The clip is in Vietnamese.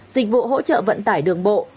dịch vụ hỗ trợ vận tải đường bộ